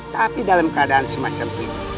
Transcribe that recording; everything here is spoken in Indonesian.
tapi dalam keadaan semacam ini